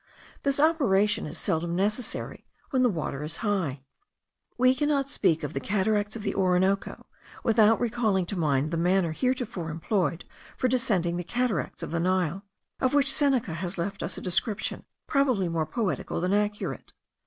This operation is seldom necessary when the water is high. We cannot speak of the cataracts of the Orinoco without recalling to mind the manner heretofore employed for descending the cataracts of the Nile, of which Seneca has left us a description probably more poetical than accurate.